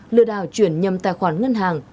lừa đảo chuyển nhầm tài khoản ngân hàng